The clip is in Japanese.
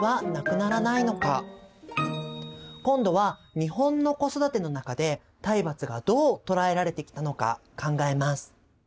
今度は日本の子育ての中で体罰がどう捉えられてきたのか考えます。